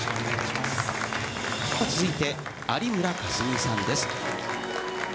続いて有村架純さんです。